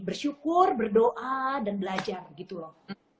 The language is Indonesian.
bersyukur berdoa dan belajar gitu loh